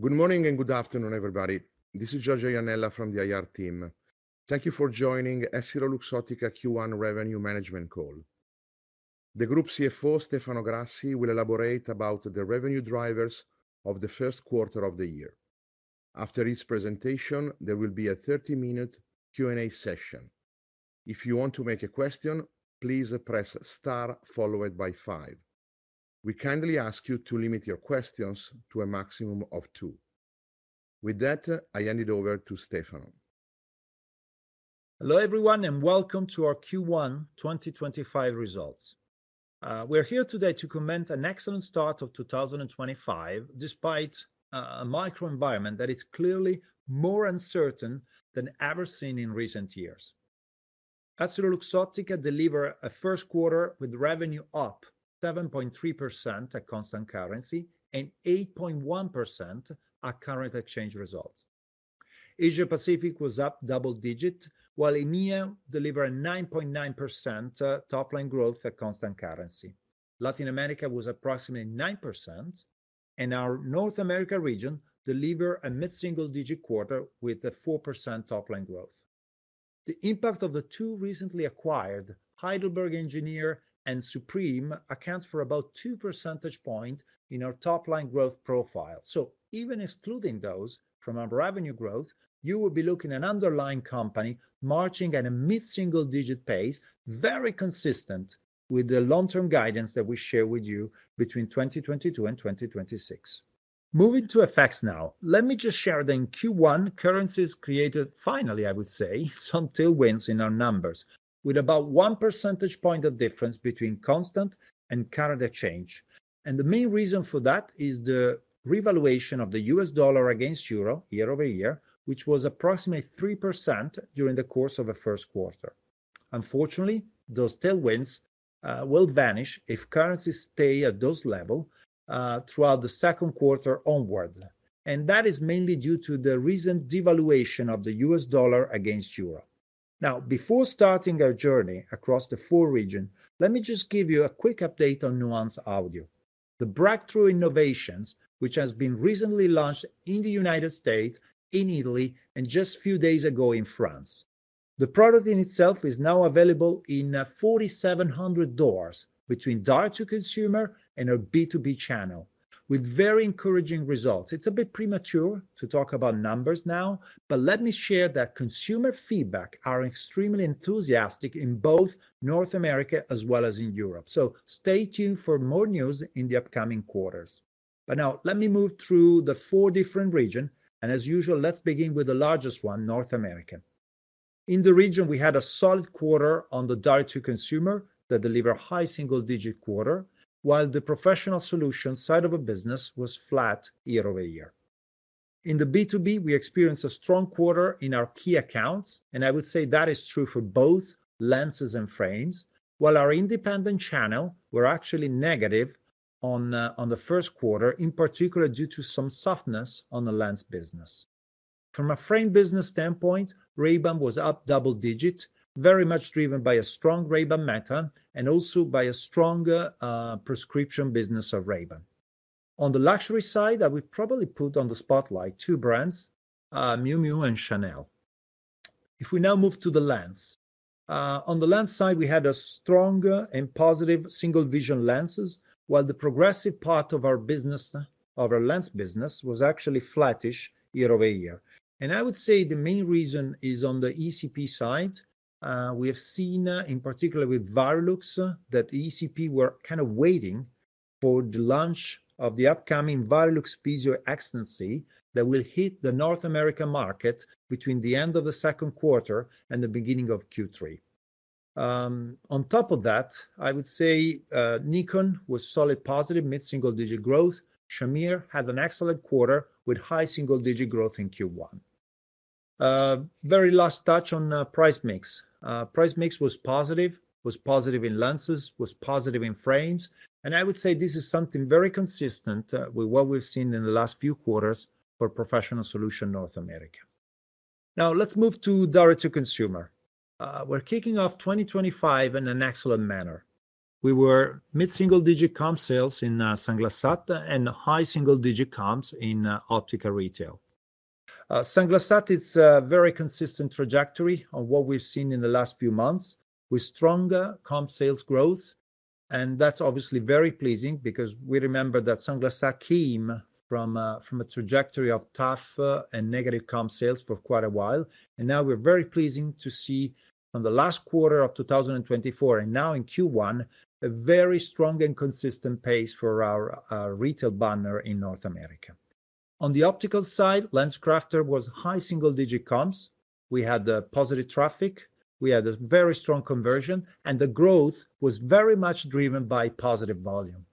Good morning and good afternoon everybody. This is Giorgio Iannella from the IR team. Thank you for joining EssilorLuxottica Q1 revenue management call. The Group CFO Stefano Grassi will elaborate about the revenue drivers of the first quarter of the year. After each presentation there will be a 30 minute Q&A session. If you want to make a question please press star followed by five. We kindly ask you to limit your questions to a maximum of two. With that I hand it over to Stefano. Hello everyone and welcome to our Q1 2025 results. We are here today to comment an excellent start of 2025 despite a micro environment that is clearly more uncertain than ever seen in recent years. EssilorLuxottica delivered a first quarter with revenue up 7.3% at constant currency and 8.1% at current exchange results. Asia-Pacific was up double digits while EMEA delivered a 9.9% top line growth at constant currency. Latin America was approximately 9% and our North America region delivered a mid single digit quarter with the 4% top line growth. The impact of the two recently acquired Heidelberg Engineering and Supreme accounts for about 2 percentage points in our top line growth profile. Even excluding those from our revenue growth, you will be looking at an underlying company marching at a mid-single-digit pace, very consistent with the long-term guidance that we shared with you between 2022 and 2026. Moving to FX now, let me just share that in Q1 currencies created finally, I would say, some tailwinds in our numbers with about 1 percentage point of difference between constant and current exchange. The main reason for that is the. Revaluation of the U.S. dollar against euro year-over-year which was approximately 3% during the course of the first quarter. Unfortunately those tailwinds will vanish if currencies stay at those levels throughout the second quarter onward and that is mainly due to the recent devaluation of the U.S. dollar against euro. Now before starting our journey across the four region, let me just give you a quick update on Nuance Audio, the breakthrough innovations which has been recently launched in the United States, in Italy and just few days ago in France. The product in itself is now available in 4,700 doors between Direct to Consumer and our B2B channel with very encouraging results. It's a bit premature to talk about numbers now, but let me share that consumer feedback are extremely enthusiastic in both North America as well as in Europe. Stay tuned for more news in the upcoming quarters. Now let me move through the four different regions and as usual let's begin with the largest one, North America. In the region, we had a solid quarter on the Direct to Consumer that delivered high single-digit quarter while the Professional Solutions side of the business was flat year-over-year. In the B2B, we experienced a strong quarter in our key accounts and I would say that is true for both lenses and frames. While our independent channel were actually negative in the first quarter, in particular due to some softness on the lens business. From a frame business standpoint, Ray-Ban was up double digit, very much driven by a strong Ray-Ban Meta and also by a stronger prescription business of Ray-Ban. On the luxury side I would probably put on the spotlight two brands, Miu Miu and Chanel. If we now move to the lens, on the lens side we had a stronger and positive single vision lenses while the progressive part of our business, of our lens business, was actually flattish year-over-year. I would say the main reason is on the ECP side. We have seen in particular with Varilux that ECP were kind of waiting for the launch of the upcoming Varilux Physio Excellence that will hit the North American market between the end of the second quarter and the beginning of Q3. On top of that, I would say Nikon was solid, positive mid single digit growth. Shamir had an excellent quarter with high single digit growth in Q1. Very last touch on price mix. Price mix was positive, was positive in lenses, was positive in frames. I would say this is something very consistent with what we've seen in the last few quarters for Professional Solutions North America. Now let's move to Direct to Consumer. We're kicking off 2025 in an excellent manner. We were mid single digit comp sales in Sunglass Hut and high single digit comps in optical retail. Sunglass Hut is a very consistent trajectory on what we've seen in the last few months with stronger comp sales growth. That's obviously very pleasing because we remember that Sunglass Hut came from a trajectory of tough and negative comp sales for quite a while and now we're very pleased to see on the last quarter of 2024 and now in Q1. A very strong and consistent pace for our retail banner in North America. On the optical side, LensCrafters was high single digit comps. We had the positive traffic, we had a very strong conversion, and the growth was very much driven by positive volume.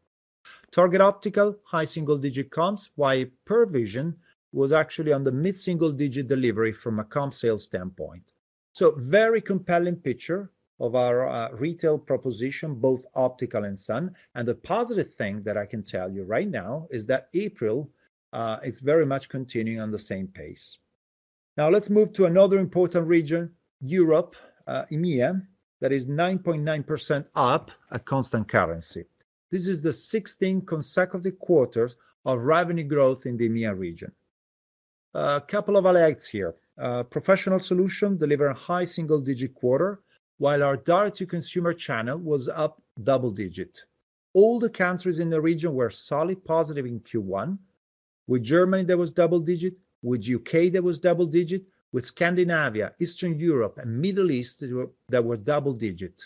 Target Optical high single digit comps, while Pearle Vision was actually on the mid single digit delivery from a comp sales standpoint. Very compelling picture of our retail proposition, both optical and sun. The positive thing that I can tell you right now is that April is very much continuing on the same pace. Now let's move to another important region, Europe EMEA. That is 9.9% up at constant currency. This is the 16th consecutive quarter of revenue growth in the EMEA region. A couple of highlights here. Professional Solution delivered a high single digit quarter. While our Direct to Consumer channel was up double digit, all the countries in the region were solid positive in Q1, with Germany that was double digit, with U.K. that was double digit, with Scandinavia, Eastern Europe, and Middle East that were double digit.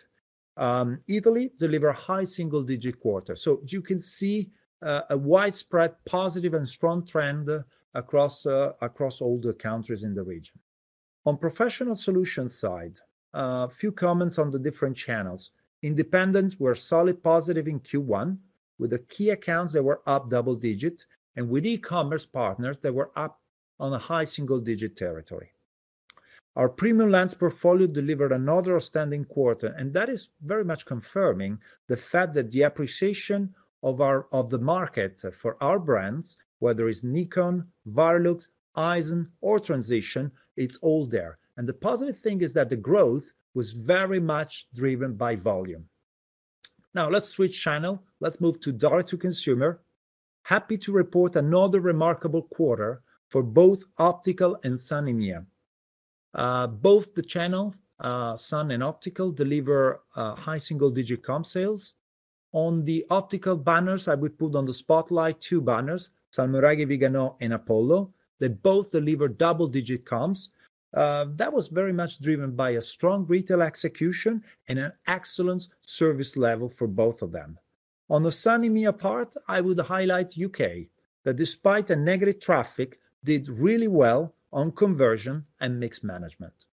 Italy delivered high single digit quarter. You can see a widespread positive and strong trend across all the countries in the region. On Professional Solutions side, a few comments on the different channels. Independents were solid positive in Q1, with the key accounts that were up double digit and with e-commerce partners that were up on a high single digit territory. Our premium lens portfolio delivered another outstanding quarter, and that is very much confirming the fact that the appreciation of the market for our brands, whether it's Nikon, Varilux, Essilor, or Transitions, it's all there. The positive thing is that the growth was very much driven by volume. Now let's switch channel. Let's move to Direct to Consumer. Happy to report another remarkable quarter for both optical and sun here. Both the channel, sun and optical, deliver high single-digit comp sales. On the optical banners I would put on the spotlight two banners, Salmoiraghi & Viganò, and Apollo. They both deliver double-digit comps that was very much driven by a strong retail execution and an excellent service level for both of them. On the sun EMEA part I would highlight U.K. that despite the negative traffic did really well on conversion and mix management.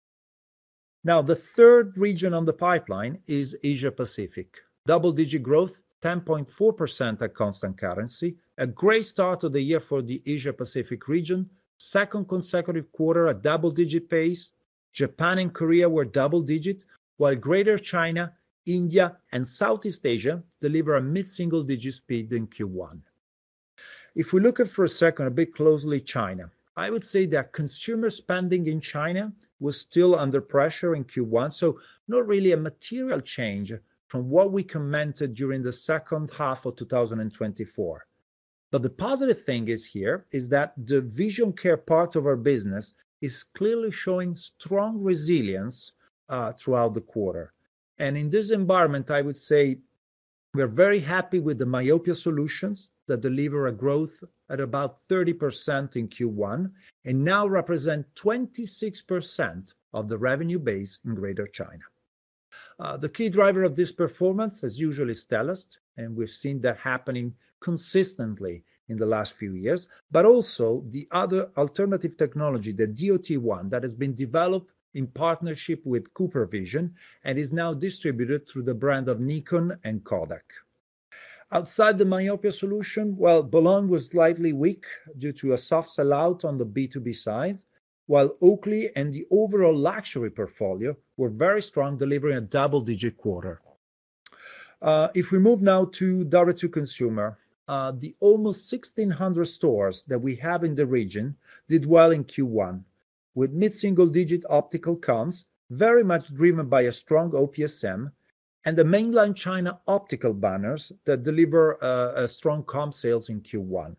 Now the third region on the pipeline is Asia Pacific. Double-digit growth, 10.4% at constant currency. A great start of the year for the Asia Pacific region. Second consecutive quarter at double-digit pace. Japan and Korea were double digit while Greater China, India, and Southeast Asia delivered a mid single digit speed in Q1. If we look at for a second a bit closely China, I would say that consumer spending in China was still under pressure in Q1, not really a material change from what we commented during the second half of 2024. The positive thing here is that the vision care part of our business is clearly showing strong resilience throughout the quarter. In this environment, I would say we are very happy with the myopia solutions that deliver a growth at about 30% in Q1 and now represent 26% of the revenue base in Greater China. The key driver of this performance, as usual, is Stellest and we've seen that happening consistently in the last few years. Also the other alternative technology, the DOT one that has been developed in partnership with CooperVision and is now distributed through the brand of Nikon and Kodak outside the myopia solution, while Bolon was slightly weak due to a soft sellout on the B2B side while Oakley and the overall luxury portfolio were very strong delivering a double-digit quarter. If we move now to Direct to Consumer, the almost 1,600 stores that we have in the region did well in Q1 with mid-single-digit optical comps very much driven by a strong OPSM and the mainland China optical banners that deliver strong comp sales in Q1.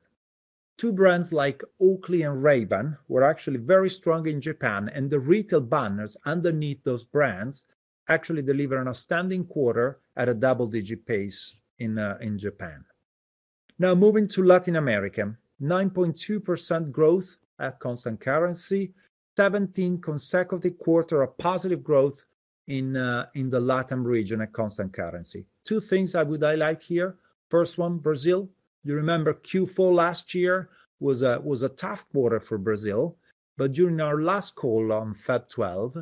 Two brands like Oakley and Ray-Ban were actually very strong in Japan and the retail banners underneath those brands actually delivered an outstanding quarter at a double. Digit pace in Japan. Now moving to Latin America. 9.2% growth at constant currency. Seventeen consecutive quarters of positive growth in the Latam region at constant currency. Two things I would highlight here. First one, Brazil. You remember Q4 last year was a tough quarter for Brazil. During our last call on February 12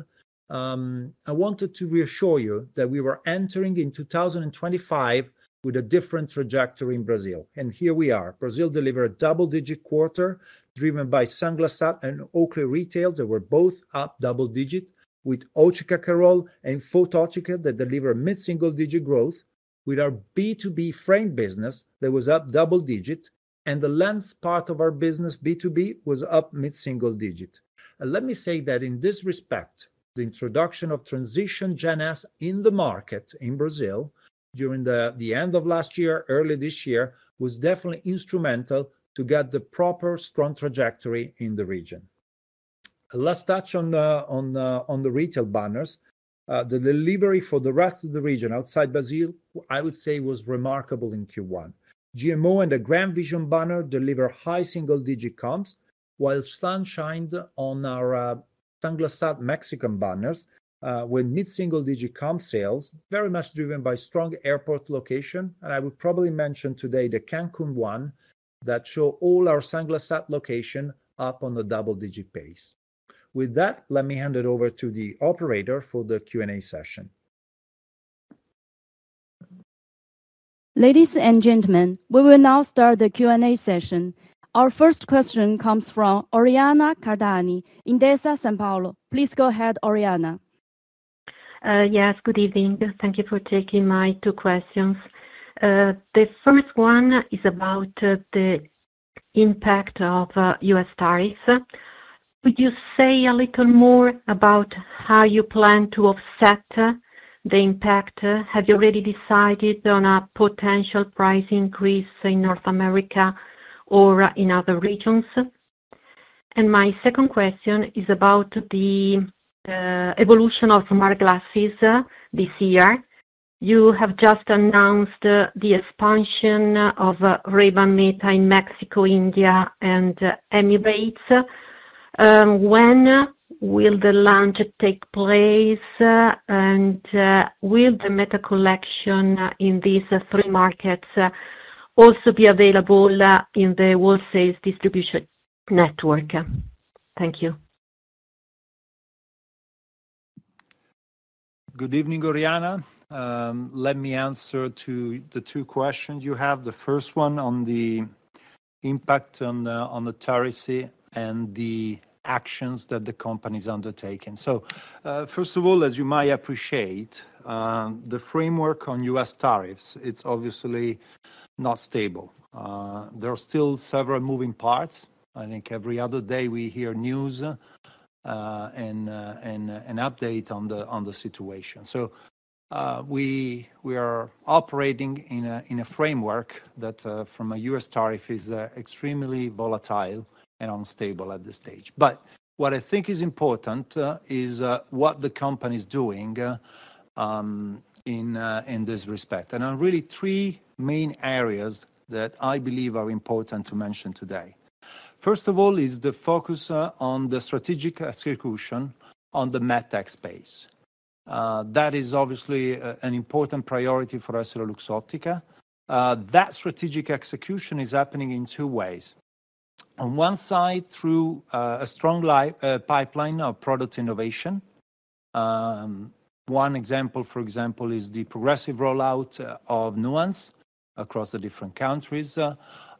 I wanted to reassure you that we were entering in 2025 with a different trajectory in Brazil. Here we are. Brazil delivered a double-digit quarter driven by Sunglass Hut and Oakley retail. They were both up double digit, with Ópticas Carol and Fototica that delivered mid-single-digit growth, with our B2B frame business that was up double digit, and the lens part of our business B2B was up mid-single digit. Let me say that in this respect the introduction of Transitions Gen S in the market in Brazil during the end of last year, early this year was definitely instrumental to get the proper strong trajectory in the region. Let's touch on the retail banners. The delivery for the rest of the. Region outside Brazil I would say was remarkable in Q1. GMO and the GrandVision banner deliver high single-digit comps while sun shines on our Sunglass Hut Mexican banners with mid single-digit comp sales, very much driven by strong airport location. I would probably mention today the Cancun one that shows all our Sunglass Hut locations up on the double-digit pace. With that, let me hand it over to the operator for the Q&A session. Ladies and gentlemen, we will now start the Q&A session. Our first question comes from Oriana Cardani in Sanpaolo. Please go ahead, Oriana. Yes, good evening. Thank you for taking my two questions. Thank you. The first one is about the impact of U.S. tariffs. Could you say a little more about how you plan to offset the impact? Have you already decided on a potential price increase in North America or in other regions? My second question is about the evolution of smart glasses. This year you have just announced the expansion of Ray-Ban Meta in Mexico, India and Emirates. When will the launch take place? Will the Meta collection in these three markets also be available in the world sales distribution network? Thank you. Good evening. Oriana, let me answer to the two questions you have. The first one on the impact on the tariff and the actions that the company is undertaking. First of all, as you might appreciate, the framework on U.S. tariffs, it's obviously not stable. There are still several moving parts. I think every other day we hear news and an update on the situation. We are operating in a framework that from a U.S. tariff is extremely volatile and unstable at this stage. What I think is important is what the company is doing in this respect. Really three main areas that I believe are important to mention today. First of all is the focus on the strategic execution on the MedTech space. That is obviously an important priority for us at Luxottica. That strategic execution is happening in two ways. On one side through a strong pipeline of product innovation. One example for example is the progressive rollout of Nuance Audio across the different countries.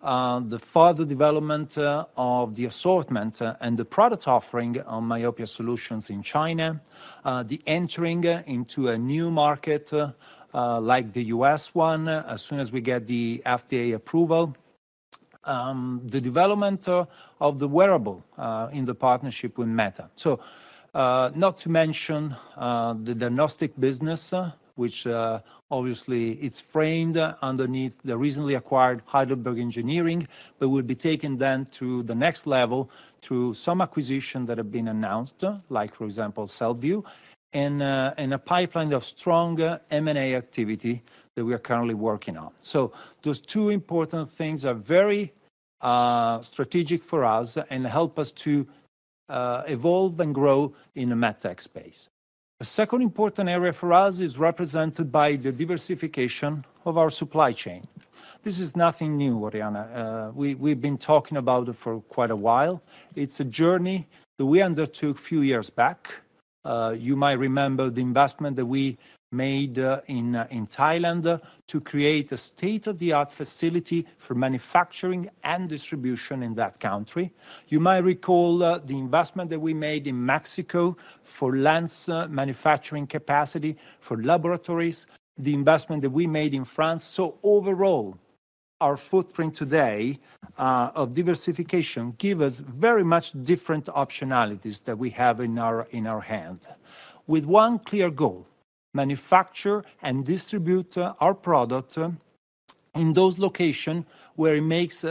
The further development of the assortment and the product offering on myopia solutions in China. The entering into a new market like the U.S. one as soon as we get the FDA approval. The development of the wearable in the partnership with Meta. Not to mention the diagnostic business which obviously it's framed underneath the recently acquired Heidelberg Engineering but would be taken then to the next level through some acquisitions that have been announced like for example SiView and a pipeline of stronger M&A activity that we are currently working on. Those two important things are very strategic for us and help us to evolve and grow in the MedTech space. A second important area for us is represented by the diversification of our supply chain. This is nothing new, Oriana. We've been talking about it for quite a while. It's a journey that we undertook a few years back. You might remember the investment that we made in Thailand to create a state-of-the-art facility for manufacturing and distribution in that country. You might recall the investment that we made in Mexico for lens manufacturing capacity for laboratories, the investment that we made in France. Overall, our footprint today of diversification gives us very much different optionalities that we have in our hand with one clear goal: manufacture and distribute our product in those locations where it makes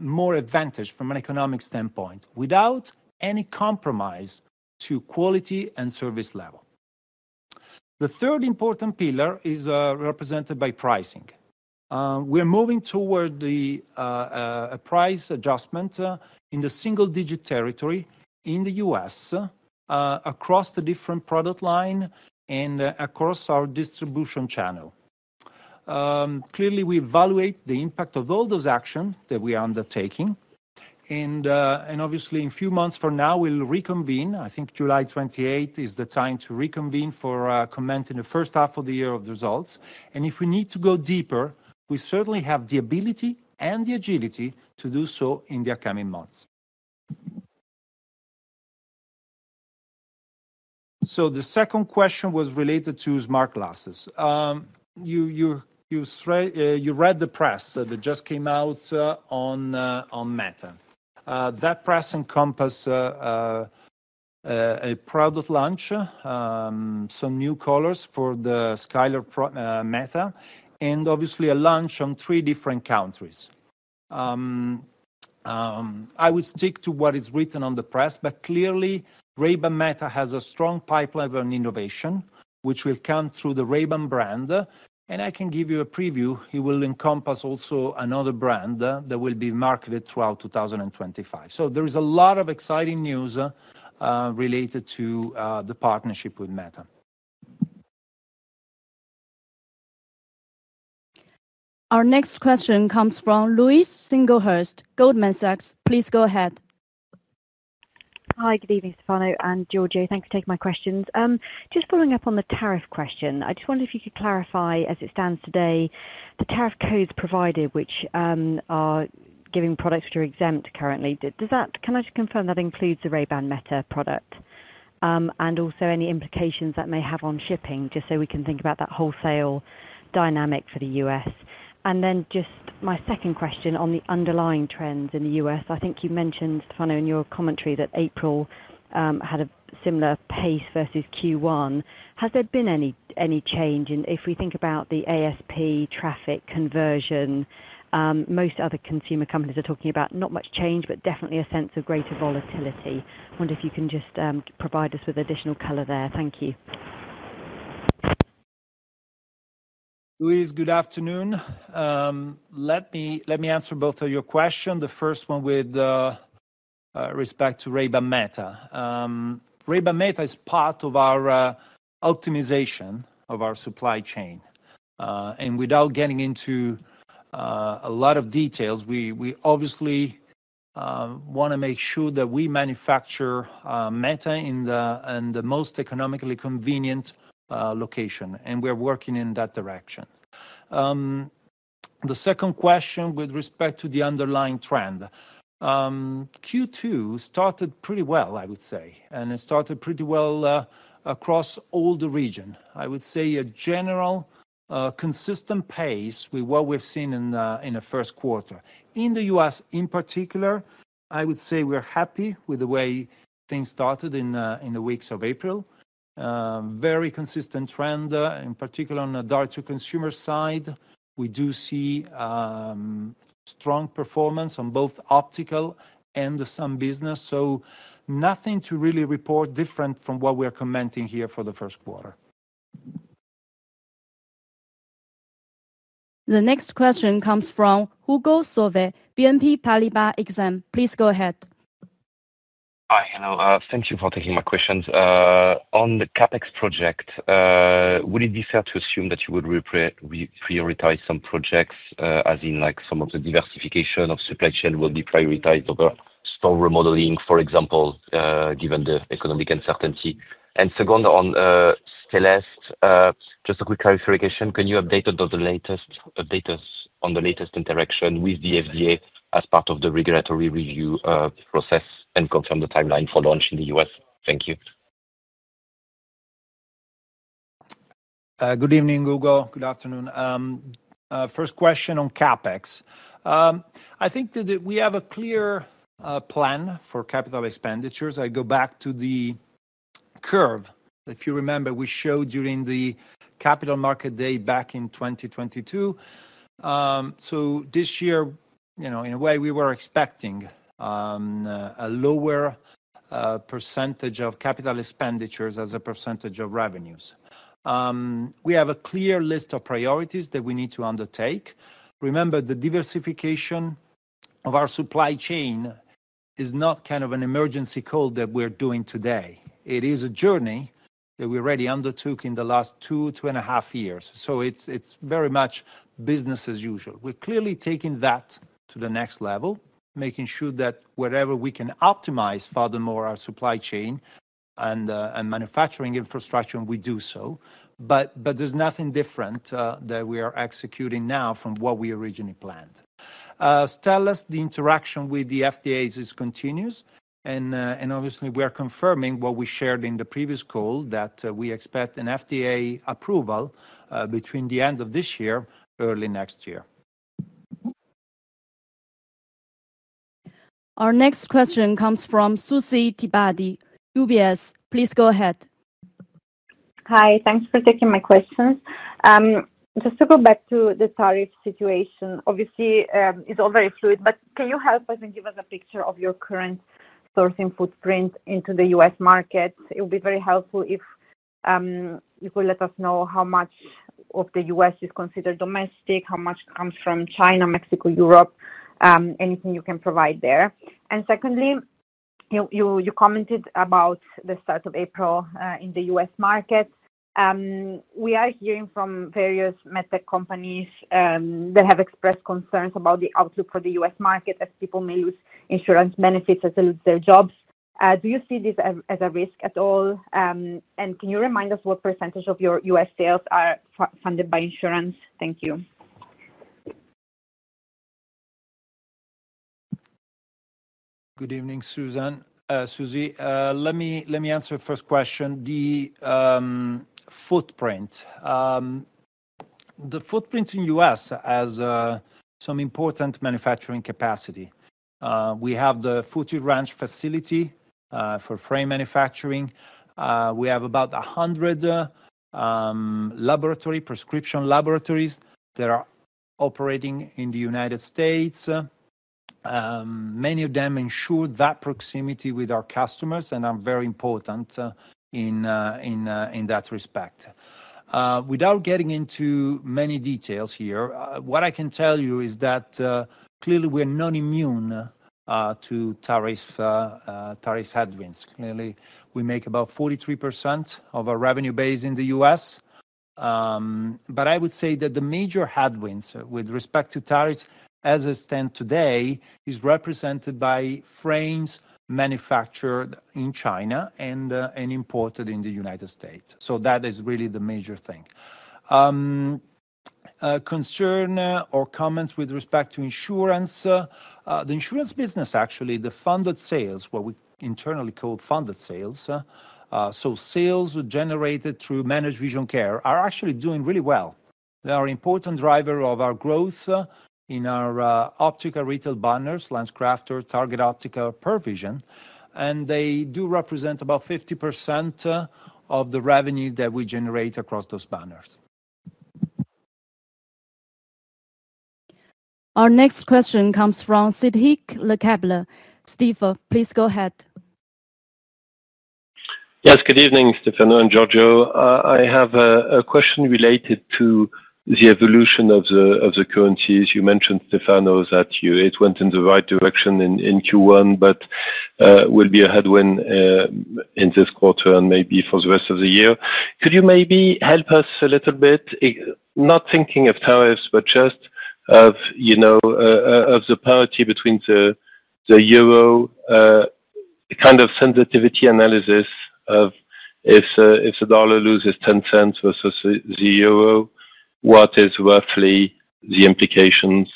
more advantage from an economic standpoint without any compromise to quality and service level. The third important pillar is represented by pricing. We are moving toward the price adjustment in the single-digit territory in the U.S. across the different product line and across our distribution channel. Clearly we evaluate the impact of all those actions that we are undertaking and obviously in few months from now we'll reconvene. I think July 28 is the time to reconvene for commenting the first half of the year of the results and if we need to go deeper, we certainly have the ability and the agility to do so in the upcoming months. The second question was related to smart glasses. You read the press that just came out on Meta. That press encompass a product launch, some new colors for the Skyler Meta and obviously a launch on three different countries. I would stick to what is written on the press, but clearly Ray-Ban Meta has a strong pipeline of innovation which will come through the Ray-Ban brand and I can give you a preview. It will encompass also another brand that will be marketed throughout 2025. There is a lot of exciting news related to the partnership with Meta. Our next question comes from Louise Singlehurst, Goldman Sachs. Please go ahead. Hi, good evening Stefano and Giorgio. Thanks for taking my questions. Just following up on the tariff question, I just wondered if you could clarify as it stands today, the tariff codes provided which are giving products which are exempt currently, does that—can I just confirm that includes the Ray-Ban Meta product and also any implications that may have on shipping just so we can think about that wholesale dynamic for the U.S.? Just my second question on the underlying trends in the U.S., I think you mentioned, Stefano, in your commentary that April had a similar pace versus Q1. Has there been any change? If we think about the aspect traffic conversion most other consumer companies are talking about, not much change but definitely a sense of greater volatility. I wonder if you can just provide us with additional color there. Thank you. Louise. Good afternoon. Let me answer both of your questions. The first one with respect to Ray-Ban Meta. Ray-Ban Meta is part of our optimization of our supply chain and without getting into a lot of details, we obviously want to make sure that we manufacture Meta in the most economically convenient location and we're working in that direction. The second question with respect to the underlying trend, Q2 started pretty well I would say and it started pretty well across all the regions. I would say a general consistent pace with what we've seen in the first quarter. In the U.S. in particular, I would say we're happy with the way things started in the weeks of April. Very consistent trend. In particular on the Direct to Consumer side, we do see strong performance on both optical and the sun business. Nothing to really report different from what we are commenting here for the first quarter. The next question comes from Hugo Solvet, BNP Paribas Exane. Please go ahead. Hi. Hello. Thank you for taking my questions on the CapEx project. Would it be fair to assume that you would prioritize some projects as in like some of the diversification of supply chain will be prioritized over store remodeling. For example, given the economic uncertainty. Second, on Stellest, just a quick clarification. Can you update the latest update us. On the latest interaction with the FDA. As part of the regulatory review process and confirm the timeline for launch in the U.S. Thank you. Good evening Hugo. Good afternoon. First question on CapEx. I think that we have a clear plan for capital expenditures. I go back to the curve. If you remember we showed during the capital market day back in 2022. This year, you know, in a way we were expecting a lower percentage of capital expenditures as a percentage of revenues. We have a clear list of priorities that we need to undertake. Remember, the diversification of our supply chain is not kind of an emergency call that we're doing today. It is a journey that we already undertook in the last two, two and a half years. It is very much business as usual. We are clearly taking that to the next level, making sure that wherever we can optimize furthermore our supply chain and manufacturing infrastructure and we do so. There is nothing different that we are executing now from what we originally planned. The interaction with the FDA continues and obviously we are confirming what we shared in the previous call that we expect an FDA approval between the end of this year and early next year. Our next question comes from Susy Tibaldi, UBS. Please go ahead. Hi, thanks for taking my questions. Just to go back to the tariff situation, obviously it's all very fluid, but can you help us and give us a picture of your current sourcing footprint into the U.S. market? It will be very helpful if you could let us know how much of the U.S. is considered domestic, how much comes from China, Mexico, Europe, anything you can provide there. Secondly, you commented about the start of April in the U.S. market. We are hearing from various medtech companies that have expressed concerns about the outlook for the U.S. market as people may lose insurance benefits as they lose their jobs. Do you see this as a risk at all? Can you remind us what percentage of your U.S. sales are funded by insurance? Thank you. Good evening, Susy, let me answer the first question. The footprint, the footprint in the U.S. has some important manufacturing capacity. We have the Foothill Ranch facility for frame manufacturing. We have about 100 prescription laboratories that are operating in the United States. Many of them ensure that proximity with our customers and are very important in that respect. Without getting into many details here, what I can tell you is that clearly we're not immune to tariff headwinds. Clearly we make about 43% of our revenue base in the U.S., but I would say that the major headwinds with respect to tariffs as it stands today is represented by frames manufactured in China and imported in the United States. That is really the major thing. Concern or comments with respect to insurance, the insurance business, actually the funded sales, what we internally call funded sales. Sales generated through managed vision care are actually doing really well. They are important driver of our growth in our optical retail banners, LensCrafters, Target Optical, Pearle Vision, and they do represent about 50% of the revenue that we generate across those banners. Our next question comes from Cedric Lecasble. Stifel, please go ahead. Yes, good evening Stefano and Giorgio. I have a question related to the evolution of the currencies. You mentioned, Stefano, that it went in the right direction in Q1 but will be a headwind in this quarter and maybe for the rest of the year. Could you maybe help us a little bit? Not thinking of tariffs but just of the parity between the euro, kind of sensitivity analysis of if the dollar loses 10 cents versus the euro, what is roughly the implications,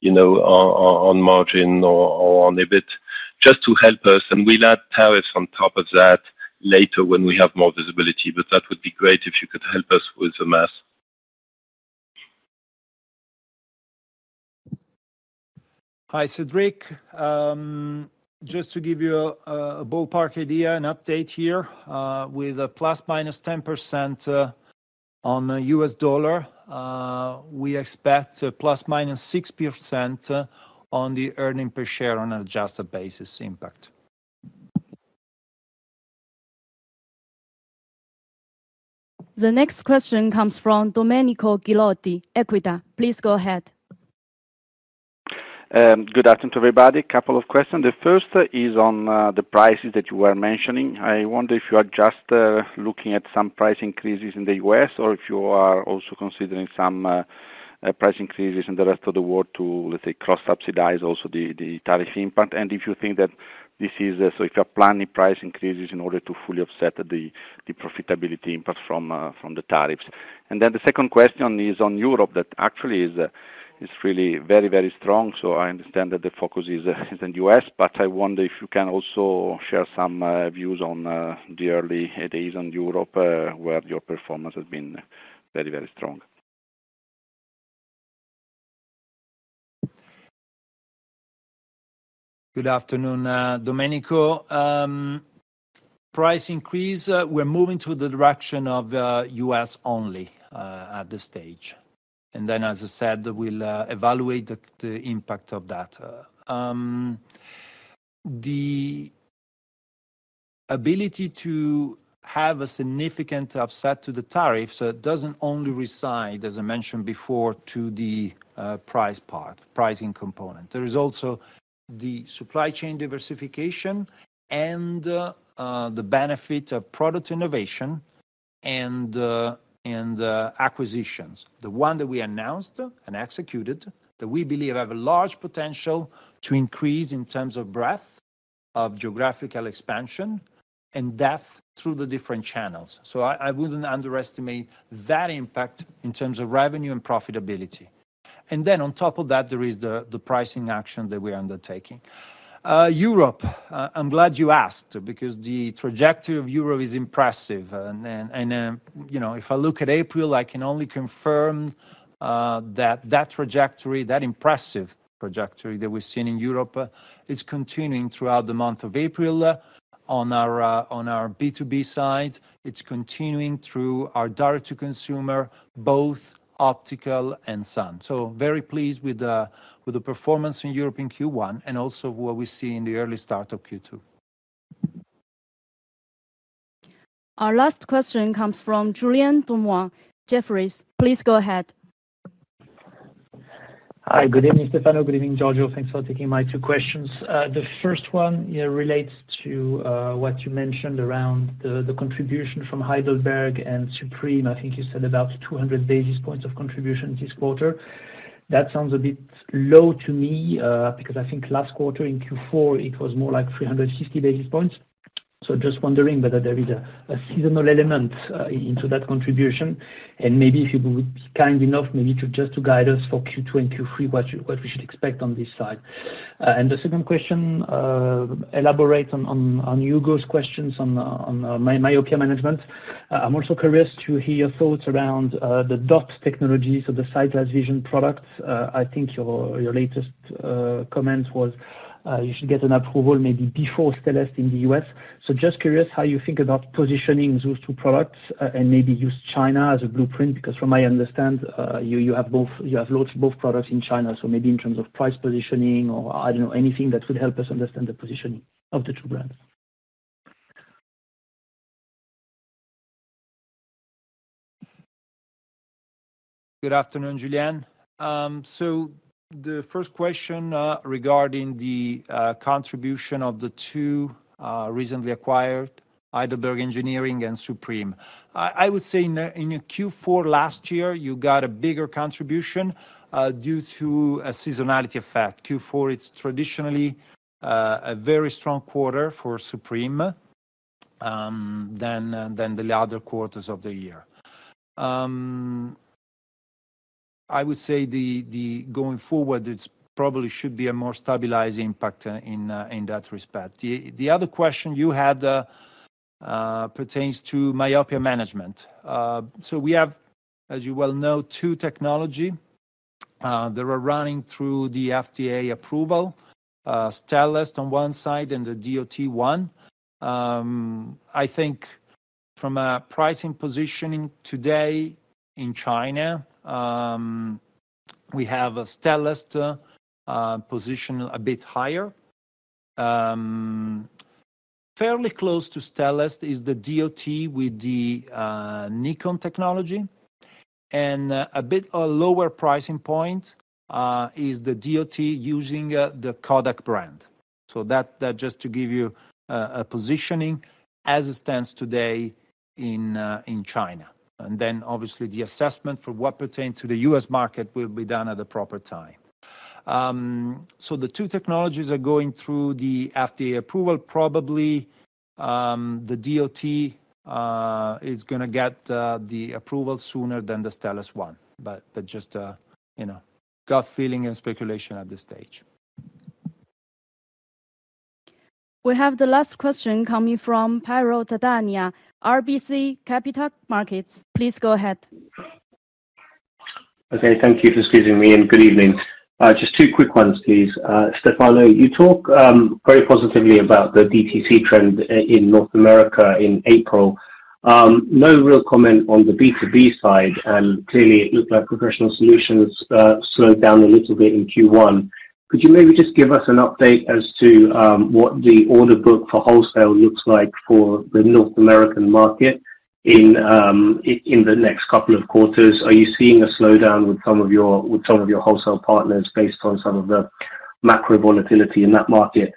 you know, on margin or on EBIT just to help us. We will add tariffs on top of that later when we have more visibility. That would be great if you could help us with the math. Hi Cedric, just to give you a ballpark idea, an update here with a ±10% on U.S. dollar we expect ±6% on the earning per share on adjusted basis impact. The next question comes from Domenico Ghilotti, Equita. Please go ahead. Good afternoon to everybody. Couple of questions. The first is on the prices that you were mentioning. I wonder if you are just looking at some price increases in the U.S. or if you are also considering some price increases in the rest of the world to, let's say, cross subsidize also the tariff impact. If you think that this is so, if you're planning price increases in order to fully offset the profitability impact from the tariffs. The second question is on Europe that actually is really very, very strong. I understand that the focus is on the U.S. I wonder if you can also share some views on the early days in Europe where your performance has been very, very strong. Good afternoon, Domenico. Price increase, we're moving to the direction of U.S. only at this stage, and then as I said, we'll evaluate the impact of that. The. Ability to have a significant upset to the tariffs does not only reside, as I mentioned before, to the price part, pricing component. There is also the supply chain diversification and the benefit of product innovation and acquisitions. The ones that we announced and executed that we believe have a large potential to increase in terms of breadth of geographical expansion and depth through the different channels. I would not underestimate that impact in terms of revenue and profitability. On top of that, there is the pricing action that we are undertaking in Europe. I am glad you asked because the trajectory of Europe is impressive, and if I look at April, I can only confirm that the impressive trajectory that we have seen in Europe is continuing throughout the month of April. On our B2B side, it is continuing through our Direct to Consumer, both optical and sun. Very pleased with the performance in Europe in Q1 and also what we see in the early start of Q2. Our last question comes from Julien Dormois Jefferies. Please go ahead. Hi, good evening Stefano. Good evening Giorgio. Thanks for taking my two questions. The first one relates to what you mentioned around the contribution from Heidelberg and Supreme. I think you said about 200 basis points of contribution this quarter. That sounds a bit low to me because I think last quarter in Q4 it was more like 350 basis points. Just wondering whether there is a seasonal element into that contribution and maybe if you would be kind enough to just guide us for Q2 and Q3 what we should expect on this slide. The second question, to elaborate on Hugo's questions on myopia management, I am also curious to hear your thoughts around the DOT Technology, so the SightGlass Vision products. I think your latest comment was you should get an approval maybe before Stellest in the U.S. Just curious how you think about positioning those two products and maybe use China as a blueprint because from my understanding you have both, you have launched both products in China. Maybe in terms of price positioning or I do not know, anything that would help us understand the positioning of the two brands. Good afternoon Julian. The first question regarding the contribution of the two recently acquired Heidelberg Engineering and Supreme, I would say in Q4 last year you got a bigger contribution due to a seasonality effect. Q4 is traditionally a very strong quarter for Supreme than the other quarters of the year. I would say going forward it probably should be a more stabilized impact in that respect. The other question you had pertains to myopia management. As you well know, two technology that are running through the FDA approval, Stellest on one side and the DOT1. I think from a pricing positioning today in China we have a Stellest position a bit higher. Fairly close to Stellest is the DOT with the Nikon technology and a bit lower pricing point is the DOT using the Kodak brand. That just to give you a positioning as it stands today in China and then obviously the assessment for what pertains to the U.S. market will be done at the proper time. The two technologies are going through the FDA approval. Probably the DOT is going to get the approval sooner than the Stellest one but just, you know, gut feeling and speculation at this stage. We have the last question coming from Piral Dadhania, RBC Capital Markets. Please go ahead. Okay, thank you for excusing me and good evening. Just two quick ones please. Stefano, you talk very positively about the DTC trend in North America in April. No real comment on the B2B side and clearly it looked like Professional Solutions slowed down a little bit in Q1. Could you maybe just give us an update as to what the order book for wholesale looks like for the North American market in the next couple of quarters? Are you seeing a slowdown with some of your wholesale partners based on some of the macro volatility in that market?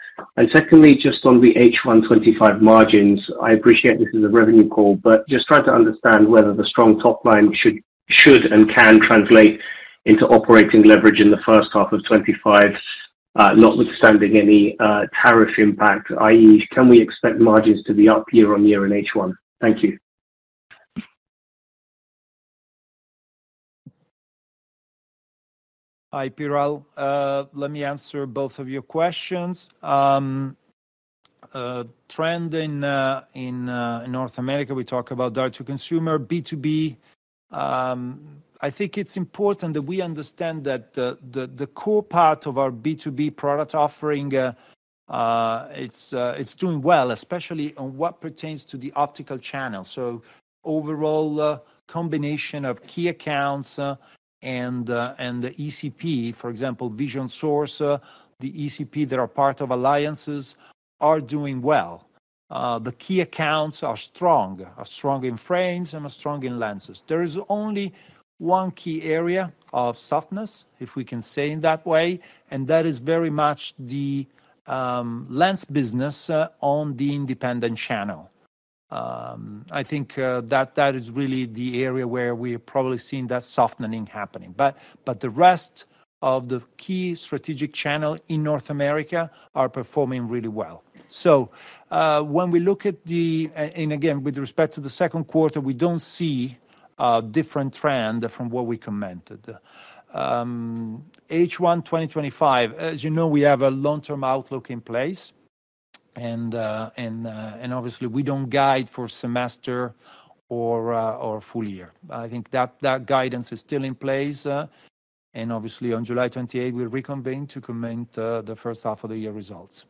Secondly, just on the H125 margins. I appreciate this is a revenue call, but just trying to understand whether the strong top line should and can translate into operating leverage in first half of the 2025 notwithstanding any tariff impact, i.e. can we expect margins to be up year on year in H1? Thank you. Hi Piral. Let me answer both of your questions. Trend in North America, we talk about Direct to Consumer, B2B. I think it's important that we understand that the core part of our B2B product offering, it's doing well, especially on what pertains to the optical channel. Overall combination of key accounts and the ECP, for example Vision Source, the ECP that are part of alliances, are doing well. The key accounts are strong, are strong in frames and are strong in lenses. There is only one key area of softness, if we can say in that way, and that is very much the lens business on the independent channel. I think that that is really the area where we have probably seen that softening happening, but the rest of the key strategic channel in North America are performing really well. When we look at the, and again with respect to the second quarter, we do not see a different trend from what we commented H1 2025. As you know, we have a long term outlook in place and obviously we do not guide for semester or full year. I think that guidance is still in place and obviously on July 28th we will reconvene to comment the first half of the year results.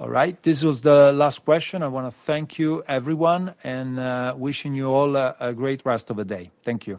All right, this was the last question. I want to thank you everyone and wishing you all a great rest of the day. Thank you.